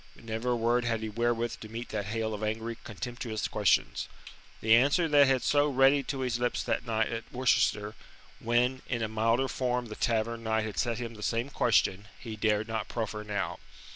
But never a word had he wherewith to meet that hail of angry, contemptuous questions. The answer that had been so ready to his lips that night at Worcester, when, in a milder form the Tavern Knight had set him the same question, he dared not proffer now.